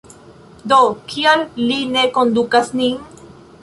Do kial li ne kondukas nin?